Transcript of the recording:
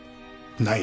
ない？